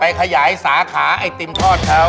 ไปขยายสาขาไอติมถอดเค้า